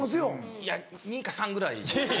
いや２か３ぐらい。